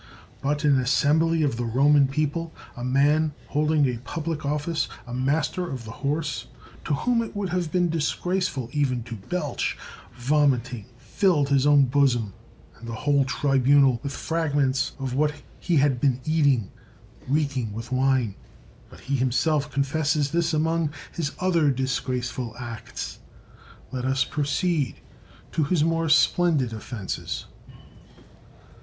But in an assembly of the Roman peo ple, a man holding a public office, a master of the horse, to whom it would have been disgrace ful even to belch, vomiting filled his own bosom and the whole tribunal with fragments of what he had been eating reeking with wine. But he himself confesses this among his other disgrace ful acts. Let us proceed to his more splendid offenses.